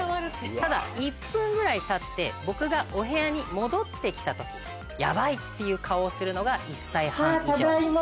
ただ１分ぐらいたって僕がお部屋に戻って来た時ヤバい！っていう顔をするのが１歳半以上。